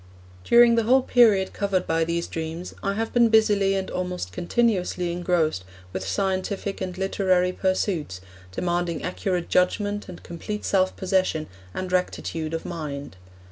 ... During the whole period covered by these dreams I have been busily and almost continuously engrossed with scientific and literary pursuits, demanding accurate judgment and complete self possession and rectitude of mind.